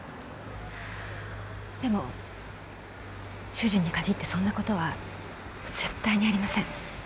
でも主人に限ってそんなことは絶対にありません。